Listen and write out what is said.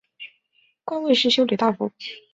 官位是修理大夫。